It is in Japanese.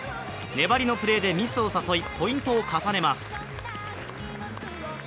粘りのプレーでミスを誘い、ポイントを重ねます。